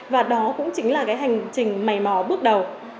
và đó cũng chính là cái hành trình mầy mò bước đầu